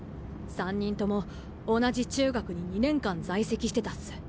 三人とも同じ中学に２年間在籍してたっす。